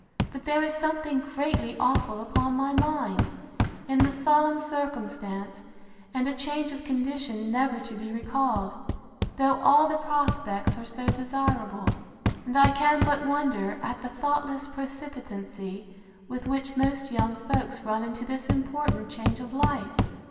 But there is something greatly awful upon my mind, in the solemn circumstance, and a change of condition never to be recalled, though all the prospects are so desirable. And I can but wonder at the thoughtless precipitancy with which most young folks run into this important change of life!